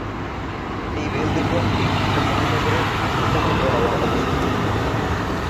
এই রেল নেটওয়ার্কটি উত্তর মহাসাগরের-এর উপকূল বরাবর অবস্থিত।